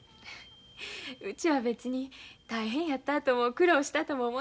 うちは別に大変やったとも苦労したとも思ってへんけど。